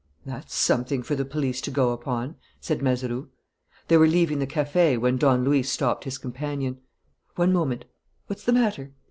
"That's something for the police to go upon," said Mazeroux. They were leaving the café when Don Luis stopped his companion. "One moment." "What's the matter?"